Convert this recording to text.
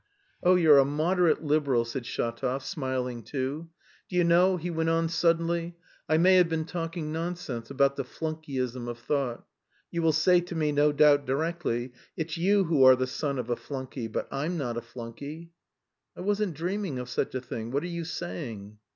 "Oh, you're a 'moderate liberal,'" said Shatov, smiling too. "Do you know," he went on suddenly, "I may have been talking nonsense about the 'flunkeyism of thought.' You will say to me no doubt directly, 'it's you who are the son of a flunkey, but I'm not a flunkey.'" "I wasn't dreaming of such a thing.... What are you saying!"